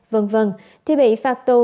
v v thì bị phạt tù